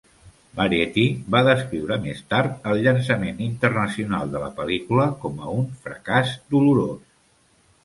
"Variety" va descriure més tard el llançament internacional de la pel·lícula com a un "fracàs dolorós".